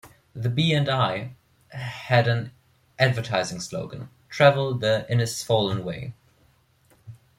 The B and I had an advertising slogan: "Travel the Innisfallen Way".